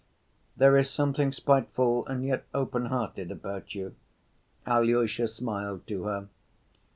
"There is something spiteful and yet open‐hearted about you," Alyosha smiled to her.